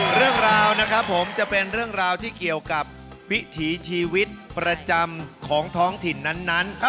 เรื่องราวนะครับผมจะเป็นเรื่องราวที่เกี่ยวกับวิถีชีวิตประจำของท้องถิ่นนั้น